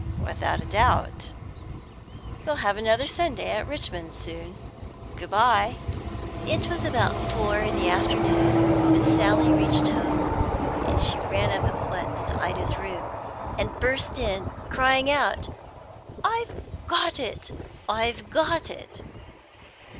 "Without doubt. We'll have another Sunday at Richmond soon. Good bye." It was about four in the afternoon when Sally reached home, and she ran up at once to Ida's room, and burst in, crying out, "I've got it! I've got it!"